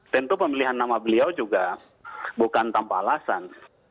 tentu pemilihan nama beliau juga bukan tanpa alasan